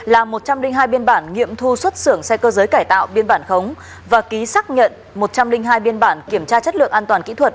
làm một trăm linh hai biên bản nghiệm thu xuất xưởng xe cơ giới cải tạo biên bản khống và ký xác nhận một trăm linh hai biên bản kiểm tra chất lượng an toàn kỹ thuật